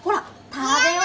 食べよう。